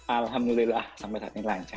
alhamdulillah sampai saat ini lancar